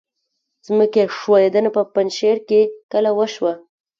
ځمکې ښویدنه په پنجشیر کې کله وشوه؟